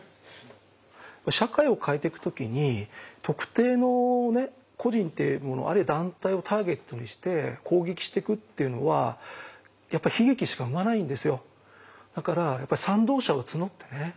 社会を変えてく時に特定の個人っていうものあるいは団体をターゲットにして攻撃してくっていうのはやっぱり悲劇しか生まないんですよ。